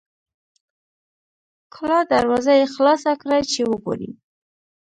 کلا دروازه یې خلاصه کړه چې وګوري.